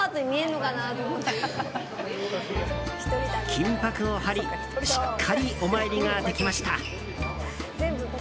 金箔を貼りしっかり、お参りができました。